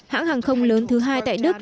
hãng hàng không lớn thứ hai tại đức